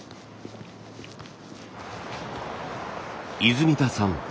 泉田さん